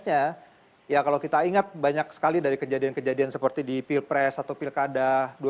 ya kalau kita ingat banyak sekali dari kejadian kejadian seperti di pilpres atau pilkada dua ribu sembilan belas